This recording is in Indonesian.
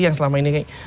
yang selama ini